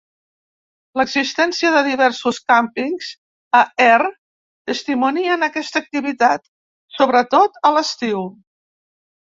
L'existència de diversos càmpings a Er testimonien aquesta activitat, sobretot a l'estiu.